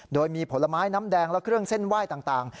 โดยมีผลไม้น้ำแดงและเครื่องเส้นไหว้ต่าง